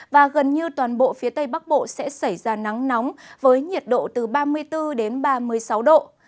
và gần như toàn bộ phía tây bắc bộ sẽ xảy ra nắng nóng với nhiệt độ từ ba mươi bốn đến ba mươi sáu độ